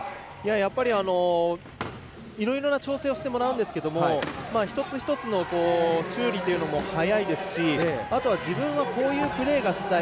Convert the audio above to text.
いろいろな調整をしてもらうんですけど一つ一つの修理というのも早いですし、あとは自分はこういうプレーがしたい